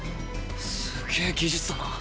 すげぇ技術だな。